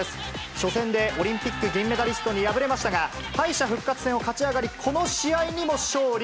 初戦でオリンピック銀メダリストに敗れましたが、敗者復活戦を勝ち上がり、この試合にも勝利。